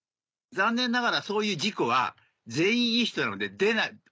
残念ながらそういう事故は全員いい人なので出ない。